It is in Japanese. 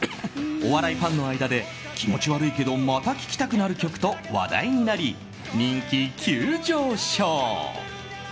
お笑いファンの間で気持ち悪いけどまた聞きたくなる曲と話題になり人気急上昇。